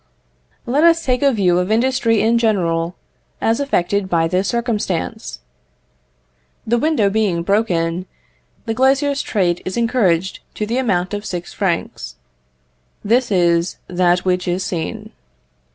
Let us take a view of industry in general, as affected by this circumstance. The window being broken, the glazier's trade is encouraged to the amount of six francs: this is that which is seen.